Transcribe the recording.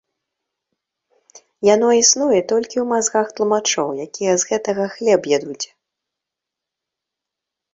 Яно існуе толькі ў мазгах тлумачоў, якія з гэтага, хлеб ядуць.